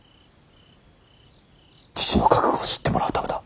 父の覚悟を知ってもらうためだ。